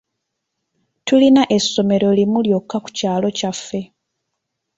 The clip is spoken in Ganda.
Tulina essomero limu lyokka ku kyalo kyaffe.